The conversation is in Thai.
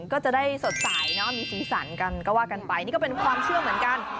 ก็จะได้สดใสเนาะมีสีสันกันก็ว่ากันไปนี่ก็เป็นความเชื่อเหมือนกัน